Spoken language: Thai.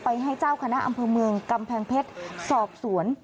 ให้เจ้าคณะอำเภอเมืองกำแพงเพชรสอบสวน